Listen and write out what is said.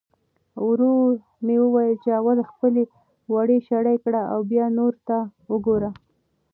ورور مې وویل چې اول خپلې وړۍ شړۍ کړه او بیا نورو ته وګوره.